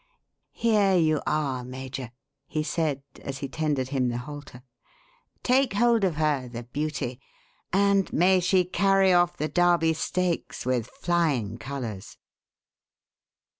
"Here you are, Major," he said, as he tendered him the halter. "Take hold of her, the beauty; and may she carry off the Derby Stakes with flying colours."